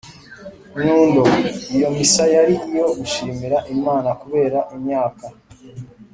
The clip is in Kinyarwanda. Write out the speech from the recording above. nyundo iyo missa yari iyo gushimira imana kubera imyaka